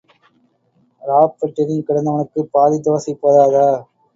இராப் பட்டினி கிடந்தவனுக்குப் பாதித் தோசை போதாதா?